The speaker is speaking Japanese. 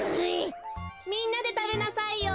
みんなでたべなさいよ。